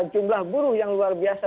jumlah buruh yang luar biasa